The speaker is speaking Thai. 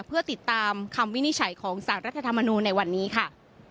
เพื่อติดตามคำวินิจฉัยของสารรัฐธรรมนูลในวันนี้ค่ะ